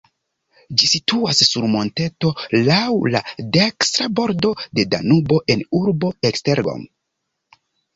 Ĝi situas sur monteto laŭ la dekstra bordo de Danubo en urbo Esztergom.